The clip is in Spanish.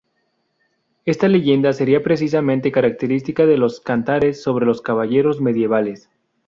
Esta leyenda sería precisamente característica de los cantares sobre los caballeros medievales.